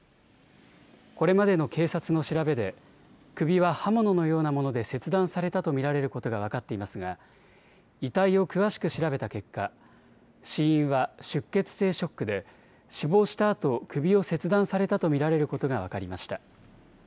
これまでの警察の調べで首は刃物のようなもので切断されたと見られることが分かっていますが、遺体を詳しく調べた結果、死因は出血性ショックで死亡したあと首を切断されたと見られることが分かりました。